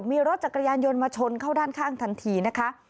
มีรถจักรยานยนต์มาชนเข้าด้านข้างทันทีนะคะ